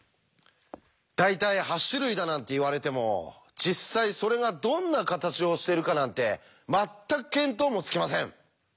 大体８種類だなんて言われても実際それがどんな形をしているかなんて全く見当もつきません。